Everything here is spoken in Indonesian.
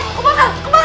eh kebakar kebakar